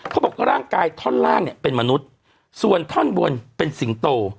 เขาบอกร่างกายท่อนล่างเนี่ยเป็นมนุษย์ส่วนท่อนบนเป็นสิงโต